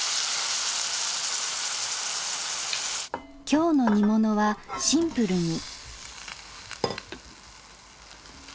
今日の煮物はシンプルに。